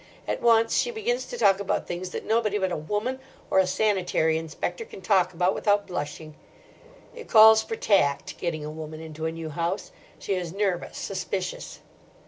At once she begins to talk about things that nobody but a woman or a sanitary inspector can talk about without blushing. It calls for tact, getting a woman into a new house. She is nervous, suspicious.